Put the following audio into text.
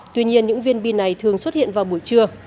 tuy nhiên những viên bi này thường xuất hiện vào buổi trưa